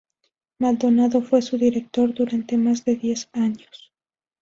Maldonado fue su director durante más de diez años.